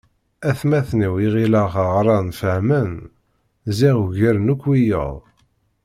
Atmaten-iw i ɣileɣ ɣran fehmen ziɣ ugaren akk wiyaḍ.